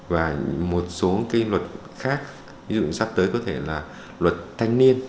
và một số cái luật khác ví dụ sắp tới có thể là luật thanh niên